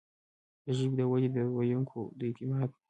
د ژبې د ودې، د ویونکو د اعتماد